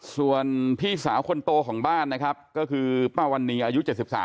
ส่วนพี่สาวคนโตของบ้านนะครับก็คือป้าวันนี้อายุ๗๓